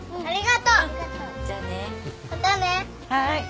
はい。